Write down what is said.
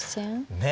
ねえ。